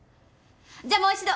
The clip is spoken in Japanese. じゃあもう一度。